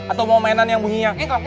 atau mau mainan yang bunyi yang